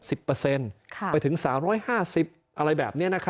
สาร๑๕๐อะไรแบบนี้นะครับ